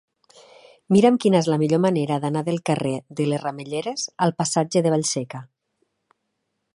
Mira'm quina és la millor manera d'anar del carrer de les Ramelleres al passatge de Vallseca.